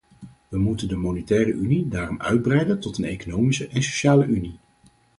We moeten de monetaire unie daarom uitbreiden tot een economische en sociale unie.